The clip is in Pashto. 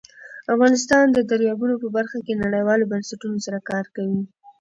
افغانستان د دریابونه په برخه کې نړیوالو بنسټونو سره کار کوي.